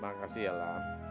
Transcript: makasih ya lam